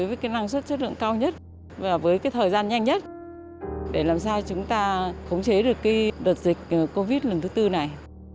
với cái năng suất chất lượng cao nhất và với cái thời gian nhanh nhất để làm sao chúng ta khống chế được cái đợt dịch covid lần thứ tư này